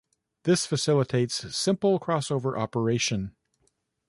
This facilitates simple crossover operation.